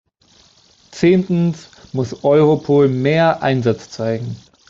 Zehntens muss Europol mehr Einsatz zeigen.